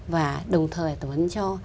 và đồng thời tập huấn cho